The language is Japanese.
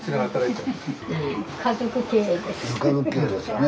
家族経営ですよね。